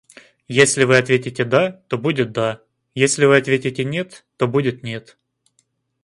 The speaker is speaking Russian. Если вы ответите да, то будет да, если вы ответите нет, то будет нет.